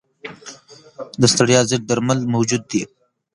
د ستړیا ضد درمل موجود دي.